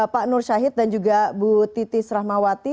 pak nur syahid dan juga bu titis rahmawati